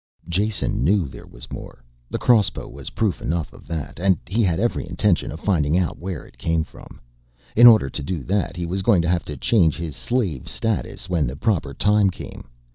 Jason knew there was more, the crossbow was proof enough of that, and he had every intention of finding out where it came from. In order to do that he was going to have to change his slave status when the proper time came.